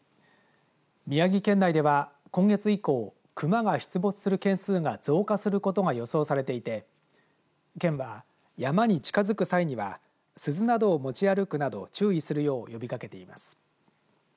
宮城県内では今月以降熊が出没する件数が増加することが予想されていて県は山に近づく際には鈴などを持ち歩くなど注意するよう呼びかけています。